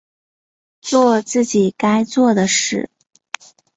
作自己该做的事